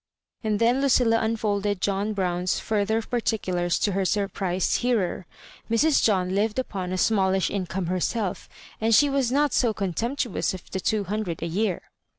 And then Lucilla unfolded John Brown's fur ther particulars to her surprised hearer. Mrs. John lived upon a sii^alllsh income herself, and she was not so contemptuous of the two hun dred a year.